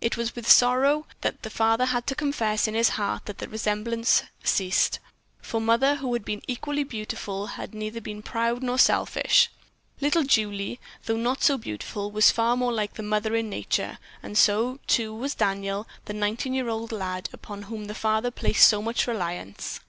It was with sorrow that the father had to confess in his heart that there the resemblance ceased, for the mother, who had been equally beautiful, had been neither proud nor selfish. Little Julie, though not so beautiful, was far more like the mother in nature, and so, too, was Daniel, the nineteen year old lad upon whom the father placed so much reliance.